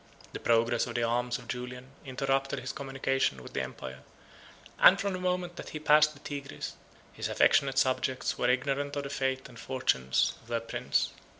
120 The progress of the arms of Julian interrupted his communication with the empire; and, from the moment that he passed the Tigris, his affectionate subjects were ignorant of the fate and fortunes of their prince.